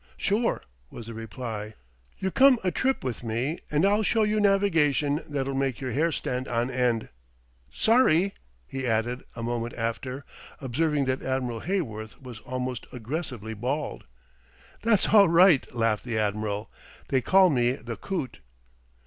"Sure," was the reply. "You come a trip with me, and I'll show you navigation that'll make your hair stand on end. Sorry," he added a moment after, observing that Admiral Heyworth was almost aggressively bald. "That's all right," laughed the Admiral; "they call me the coot."